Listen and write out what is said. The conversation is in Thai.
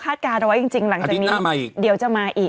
คาดการณ์ว่าจริงจริงหลังจากนี้อาทิตย์หน้ามาอีกเดี๋ยวจะมาอีก